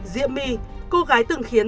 diễm my cô gái từng khiến